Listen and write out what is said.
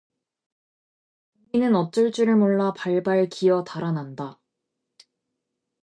개미는 어쩔 줄을 몰라 발발 기어 달아난다.